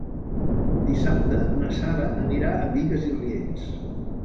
Dissabte na Sara anirà a Bigues i Riells.